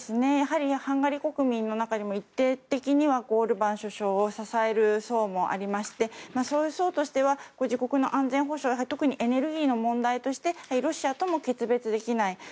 やはりハンガリー国民の中にも一定的にはオルバーン首相を支える層もありましてそういう層としては自国の安全保障特にエネルギーの問題としてロシアとも決別できない。